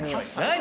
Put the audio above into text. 何？